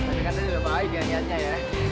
tapi katanya udah baik ya